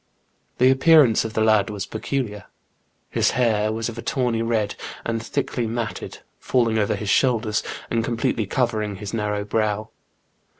The appearance of the lad was peculiar. His hair was of a tawny red and thickly matted, falling over his shoulders and completely covering his narrow brow.